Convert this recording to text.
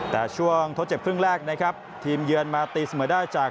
แต่ช่วงทดเจ็บครึ่งแรกนะครับทีมเยือนมาตีเสมอได้จาก